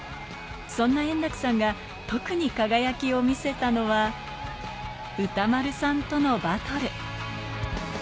そんな円楽さんが、特に輝きを見せたのは、歌丸さんとのバトル。